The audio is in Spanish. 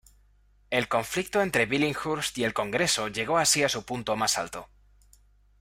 El conflicto entre Billinghurst y el Congreso llegó así a su punto más alto.